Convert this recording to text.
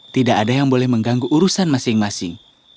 tidak ada yang boleh mengganggu urusan masing masing